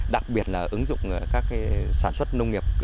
đặc biệt là ứng dụng các sản xuất nông nghiệp